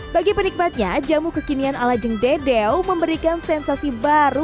bagi penikmatnya jamu kekinian ala jengdedeo memberikan sensasi baru